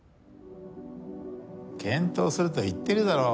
・検討すると言ってるだろう。